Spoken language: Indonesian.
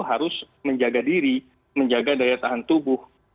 harus menjaga diri menjaga daya tahan tubuh